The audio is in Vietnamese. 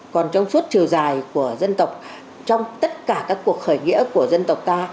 còn trong suốt chiều dài của dân tộc trong tất cả các cuộc khởi nghĩa của dân tộc ta